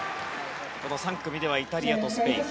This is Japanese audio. ３組ではイタリアとスペイン。